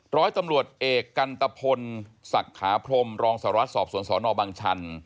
ร้อยตำรวจเอกกันตะพลศักดิ์ขาพรมรองสารวัตรสอบสวนสนบังชัน